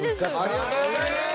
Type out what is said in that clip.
ありがとうございます！